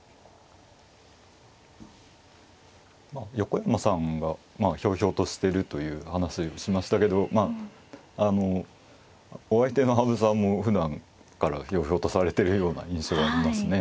横山さんがひょうひょうとしてるという話をしましたけどまあお相手の羽生さんもふだんからひょうひょうとされてるような印象がありますね。